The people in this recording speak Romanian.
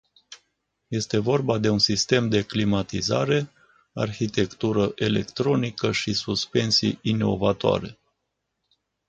Este vorba de un sistem de climatizare, arhitectură electronică și suspensii inovatoare.